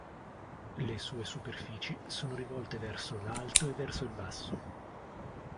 Le sue superfici sono rivolte verso l'alto e verso il basso.